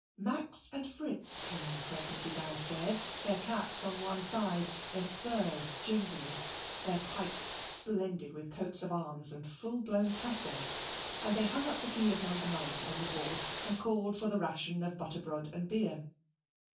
Max and Fritz came presently downstairs, their caps on one side, their spurs jingling, their pipes splendid with coats of arms and full blown tassels, and they hung up the key of No. 90 on the board and called for the ration of butterbrod and beer.